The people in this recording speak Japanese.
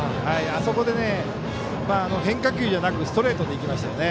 あそこで変化球じゃなくストレートでいきましたよね。